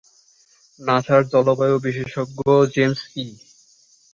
নাসার জলবায়ু বিশেষজ্ঞ জেমস ই।